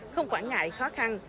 không quản ngại khó khăn